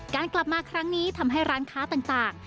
กลับมาครั้งนี้ทำให้ร้านค้าต่าง